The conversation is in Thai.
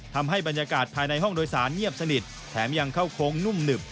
ทำให้บรรยากาศภายในห้องโดยสารเงียบสนิทแถมยังเข้าโค้งนุ่มหนึบ